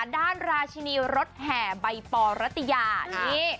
ราชินีรถแห่ใบปอรัตยานี่